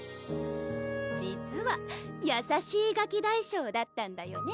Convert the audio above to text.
実はやさしいガキ大将だったんだよね